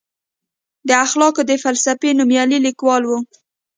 د اخلاقو د فلسفې نوميالی لیکوال و.